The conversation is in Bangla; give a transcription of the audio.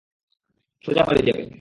সোজা বাড়ি যাবে।